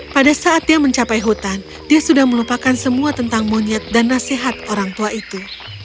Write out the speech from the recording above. pada saat dia mencapai hutan dia sudah melupakan semua tentang monyet dan nasihat orang tua itu